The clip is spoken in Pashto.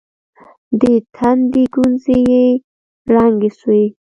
د تندي گونځې يې ړنګې سوې.